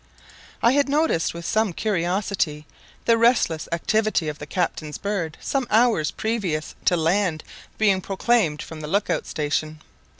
I had noticed with some curiosity the restless activity of the captain's bird some hours previous to "land" being proclaimed from the look out station.